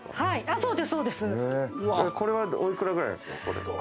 これはおいくらくらいですか？